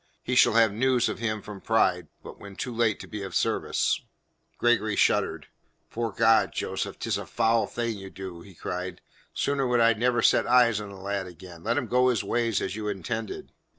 He shall have news of him from Pride but when too late to be of service." Gregory shuddered. "Fore God, Joseph, 'tis a foul thing you do," he cried. "Sooner would I never set eyes on the lad again. Let him go his ways as you intended."